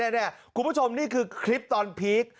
เนี่ยนี่คือคลิปตอนพีค